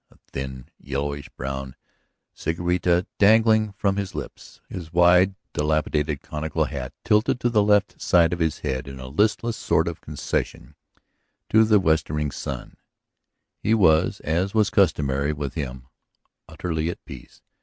A thin, yellowish brown cigarita dangling from his lips, his wide, dilapidated conical hat tilted to the left side of his head in a listless sort of concession to the westering sun, he was, as was customary with him, utterly at peace.